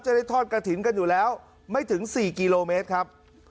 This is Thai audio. จะได้ทอดกระถิ่นกันอยู่แล้วไม่ถึง๔กิโลเมตรครับ